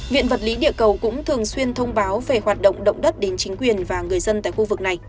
viện vật lý địa cầu cũng thường xuyên thông báo về hoạt động động đất đến chính quyền và người dân tại khu vực này